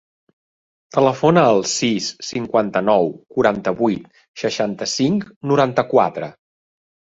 Telefona al sis, cinquanta-nou, quaranta-vuit, seixanta-cinc, noranta-quatre.